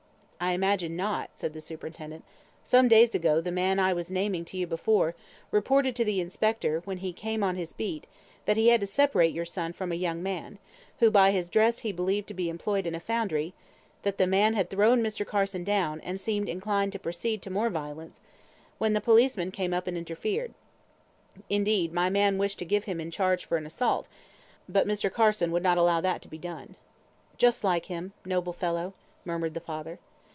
"I imagine not," said the superintendent. "Some days ago the man I was naming to you before, reported to the inspector when he came on his beat, that he had had to separate your son from a young man, who by his dress he believed to be employed in a foundry; that the man had thrown Mr. Carson down, and seemed inclined to proceed to more violence, when the policeman came up and interfered. Indeed, my man wished to give him in charge for an assault, but Mr. Carson would not allow that to be done." "Just like him! noble fellow!" murmured the father.